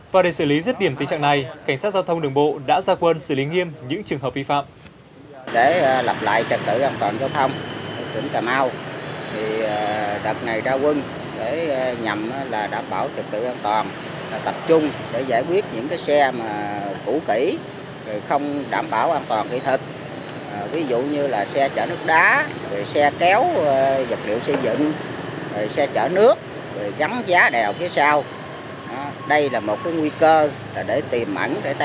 và để xử lý dứt điểm tình trạng này cảnh sát giao thông đường bộ đã ra quân xử lý nghiêm những trường hợp vi phạm